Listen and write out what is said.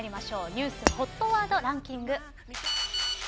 ニュースＨＯＴワードランキング。